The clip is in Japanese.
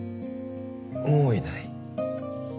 もういない？